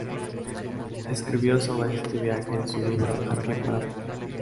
Escribió sobre este viaje en su libro "A pie por África".